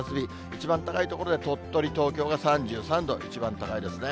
一番高い所で鳥取、東京が３３度、一番高いですね。